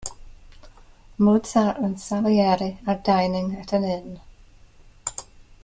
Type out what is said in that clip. Mozart and Salieri are dining at an inn.